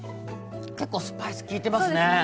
結構スパイス利いてますね。